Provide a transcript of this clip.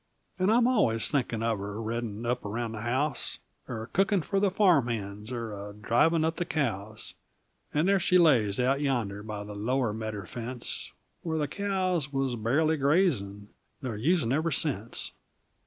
And I'm allus thinkin' of her Reddin' up around the house; Er cookin' fer the farm hands; Er a drivin' up the cows. And there she lays out yender By the lower medder fence, Where the cows was barely grazin', And they're usin' ever sence.